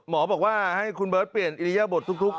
บอกว่าให้คุณเบิร์ตเปลี่ยนอิริยบททุก